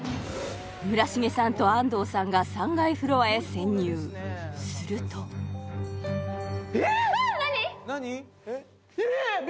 村重さんと安藤さんが３階フロアへ潜入するとえっ何！？